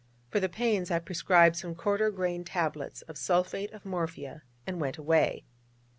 For the pains I prescribed some quarter grain tablets of sulphate of morphia, and went away.